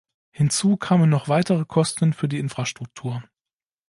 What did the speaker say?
Hinzu kamen noch weitere Kosten für die Infrastruktur.